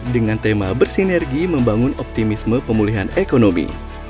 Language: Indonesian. dengan tema bersinergi membangun optimisme pemulihan ekonomi